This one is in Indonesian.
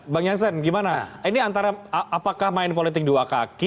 bang jansen ini apakah main politik dua kaki